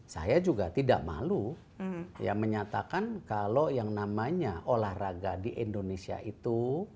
saya juga tidak malu menyatakan kalau yang namanya olahraga di indonesia itu